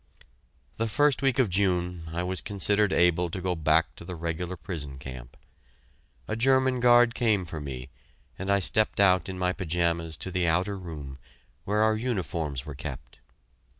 The first week of June, I was considered able to go back to the regular prison camp. A German guard came for me, and I stepped out in my pajamas to the outer room where our uniforms were kept.